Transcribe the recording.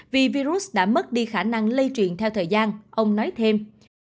vì virus đã mất đi khả năng lây truyền theo thời gian ông nói thêm